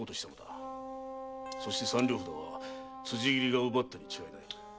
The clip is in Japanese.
そして三両札は辻斬りが奪ったに違いない。